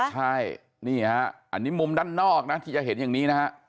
ใช่นี่ฮะอันนี้มุมด้านนอกนะที่จะเห็นอย่างนี้นะฮะ